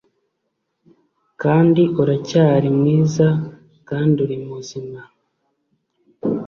Kandi uracyari mwiza kandi uri muzima